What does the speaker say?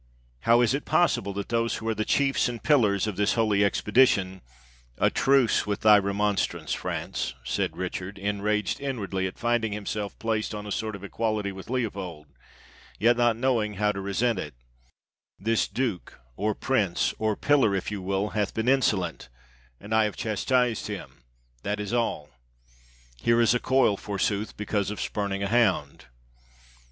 How is it possible that those who are the chiefs and pillars of this holy expe dition—" "A truce with thy remonstrance, France," said Rich ard, enraged inwardly at finding himself placed on a sort of equality with Leopold, yet not knowing how to resent it, —" this duke, or prince, or pillar, if you will, hath been insolent, and I have chastised him — that is all. Here is a coil, forsooth, because of spuming a hound!"